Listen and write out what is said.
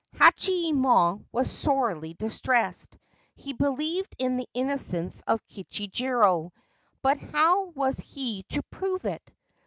Hachiyemon was sorely distressed. He believed in the innocence of Kichijiro ; but how was he to prove it?